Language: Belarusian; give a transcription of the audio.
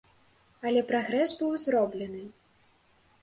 Але прагрэс быў зроблены.